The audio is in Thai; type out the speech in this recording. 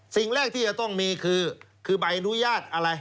สิ่งแรกที่จะต้องมีคือใบอนุญาตอะไร